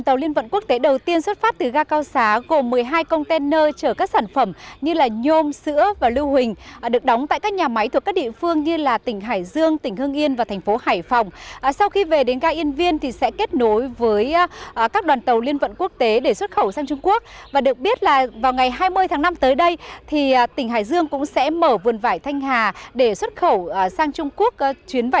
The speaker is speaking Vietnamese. trung quốc chuyến vải thiệu đầu tiên cũng xuất phát từ ga cao xá